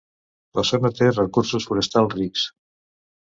La zona té recursos forestals rics.